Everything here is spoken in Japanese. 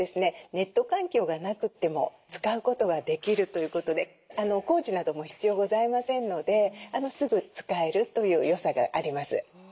ネット環境がなくても使うことができるということで工事なども必要ございませんのですぐ使えるというよさがあります。